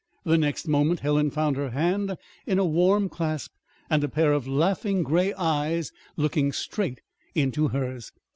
The next moment Helen found her hand in a warm clasp, and a pair of laughing gray eyes looking straight into hers.